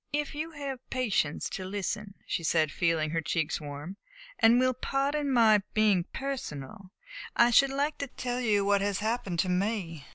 "If you have patience to listen," she said, feeling her cheeks warm, "and will pardon my being personal, I should like to tell you what has happened to me.